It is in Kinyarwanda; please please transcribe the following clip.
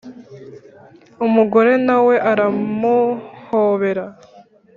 Umugore na we aramuhobera,